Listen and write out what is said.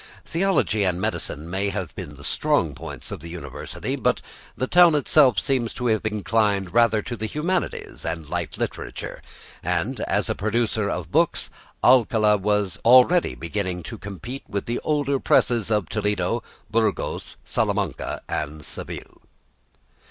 Theology and medicine may have been the strong points of the university, but the town itself seems to have inclined rather to the humanities and light literature, and as a producer of books Alcala was already beginning to compete with the older presses of Toledo, Burgos, Salamanca and Seville.